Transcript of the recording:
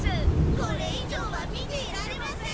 これいじょうは見ていられません！